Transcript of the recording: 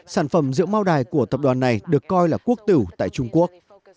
sản phẩm rượu mao đài của tập đoàn này được coi là quốc tử tại trung quốc